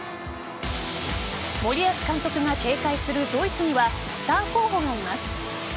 森保監督が警戒するドイツにはスター候補がいます。